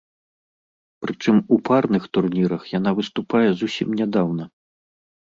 Прычым у парных турнірах яна выступае зусім нядаўна.